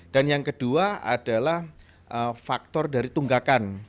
dan yang kedua adalah faktor dari tunggakan